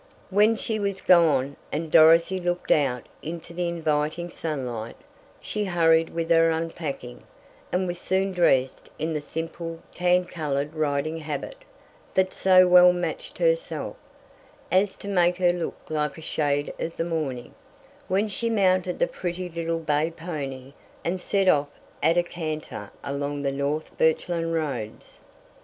When she was gone, and Dorothy looked out into the inviting sunlight, she hurried with her unpacking, and was soon dressed in the simple tan colored riding habit, that so well matched herself, as to make her look like a shade of the morning, when she mounted the pretty little bay pony, and set off at a canter along the North Birchland roads.